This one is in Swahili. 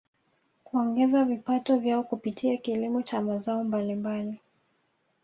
Kuongeza vipato vyao kupitia kilimo cha mazao mbalimbali